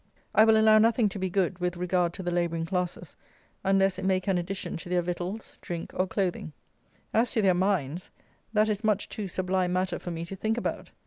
I will allow nothing to be good, with regard to the labouring classes, unless it make an addition to their victuals, drink, or clothing. As to their minds, that is much too sublime matter for me to think about.